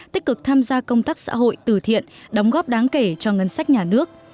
tích cực tham gia công tác xã hội từ thiện đóng góp đáng kể cho ngân sách nhà nước